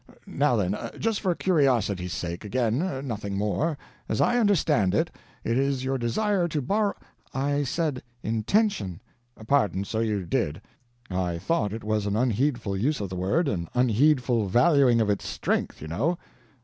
Now then just for curiosity's sake again, nothing more: as I understand it, it is your desire to bor " "I said intention." "Pardon, so you did. I thought it was an unheedful use of the word an unheedful valuing of its strength, you know."